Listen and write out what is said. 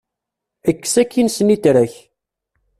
Ekkes akin snitra-k.